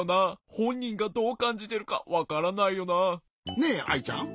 ねえアイちゃん。